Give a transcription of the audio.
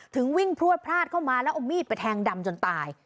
ถึงวิ่งพลวดพลาดเข้ามาแล้วเอามีดไปแทงดำจนตาย